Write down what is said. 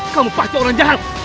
kamu pasti orang jahat